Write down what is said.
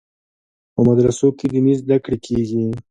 په مدرسو کې دیني زده کړې کیږي.